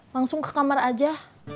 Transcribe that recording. langsung ke kamar aja